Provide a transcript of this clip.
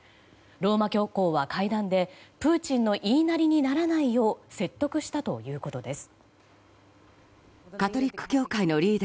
ローマ教皇は会談でプーチンの言いなりにならないよう説得したということです。